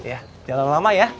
jangan lama lama ya